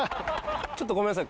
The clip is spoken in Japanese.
ちょっとごめんなさい。